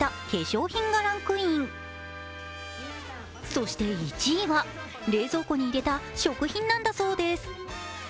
そして１位は冷蔵庫に入れた食品なんだそうです。